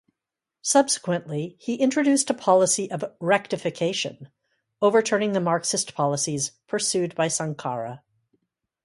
Subsequently, he introduced a policy of "rectification", overturning the Marxist policies pursued by Sankara.